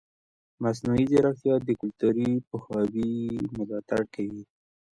مصنوعي ځیرکتیا د کلتوري پوهاوي ملاتړ کوي.